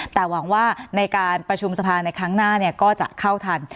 แต่หวังว่าในการประชุมสภาในครั้งหน้าก็จะเข้าทัน